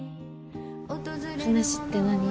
話って何？